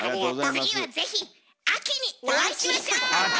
次はぜひ秋にお会いしましょう！秋！